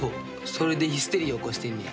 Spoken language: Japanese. それでヒステリー起こしてんねや。